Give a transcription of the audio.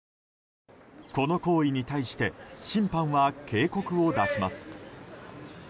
この行為に対して審判は警告を出します。